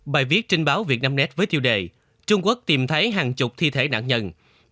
bài viết trinh báo vietnamnet với tiêu đề trung quốc tìm thấy hàng chục thi thể nạn nhân